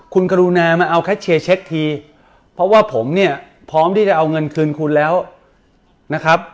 คุณกรุณามาเอาแคชเชียร์เช็คทีเพราะว่าผมเนี่ยพร้อมที่จะเอาเงินคืนคุณแล้วนะครับ